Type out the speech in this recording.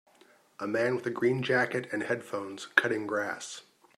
A man with a green jacket and headphones cutting grass.